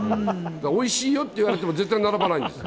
おいしいよって言われても絶対並ばないんです。